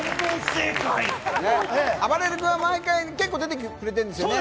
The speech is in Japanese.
あばれる君は結構出てくれているんですよね。